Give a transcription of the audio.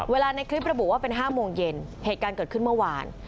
ในคลิประบุว่าเป็น๕โมงเย็นเหตุการณ์เกิดขึ้นเมื่อวาน